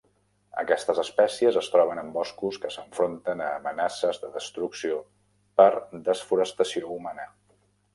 Aquestes espècies es troben en boscos que s'enfronten a amenaces de destrucció per desforestació humana.